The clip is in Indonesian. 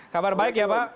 kabar baik ya pak